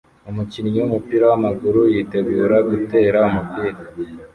Umukinnyi wumupira wamaguru yitegura gutera umupira